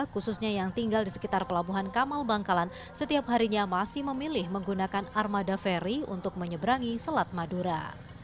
khususnya yang tinggal di sekitar pelabuhan kamal bangkalan setiap harinya masih memilih menggunakan armada ferry untuk menyeberangi selat madura